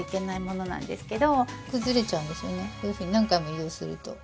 こういうふうに何回も移動すると。